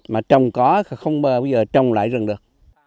mà trồng có không bờ bây giờ trồng lại rừng được